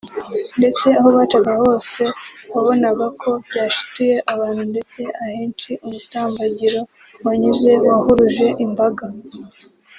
ndetse aho bacaga hose wabonaga ko byashituye abantu ndetse ahenshi umutambagiro wanyuze wahuruje imbaga